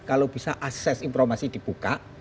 kalau bisa akses informasi dibuka